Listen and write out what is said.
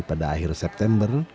pada akhir september